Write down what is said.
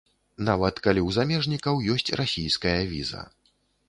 Нават, калі ў замежнікаў ёсць расійская віза.